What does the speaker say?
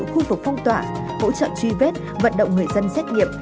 khu vực phong tỏa hỗ trợ truy vết vận động người dân xét nghiệm